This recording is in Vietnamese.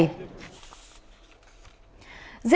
tin thế giới